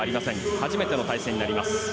初めての対戦になります。